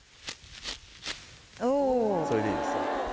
それでいいですよ。